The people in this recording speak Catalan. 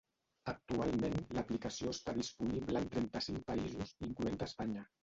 Actualment l’aplicació està disponible en trenta-cinc països, incloent Espanya.